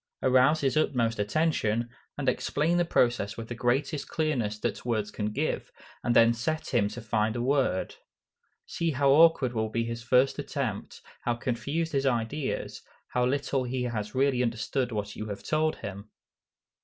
Arouse his utmost attention, and explain the process with the greatest clearness that words can give, and then set him to find a word. See how awkward will be his first attempt, how confused his ideas, how little he has really understood what you have told him.